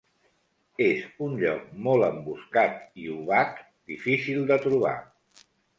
És en un lloc molt emboscat i obac, difícil de trobar.